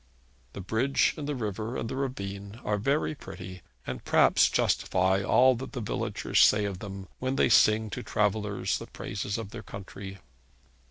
The bridge and the river and the ravine are very pretty, and perhaps justify all that the villagers say of them when they sing to travellers the praises of their country.